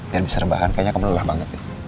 biar bisa rebahan kayaknya kamu lelah banget